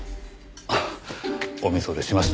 あっお見それしました。